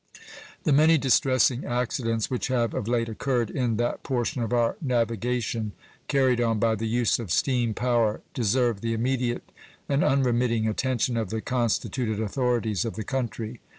The many distressing accidents which have of late occurred in that portion of our navigation carried on by the use of steam power deserve the immediate and unremitting attention of the constituted authorities of the country.